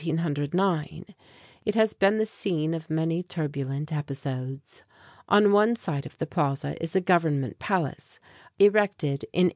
It has been the scene of many turbulent episodes. On one side of the plaza is the Government Palace, erected in 1885.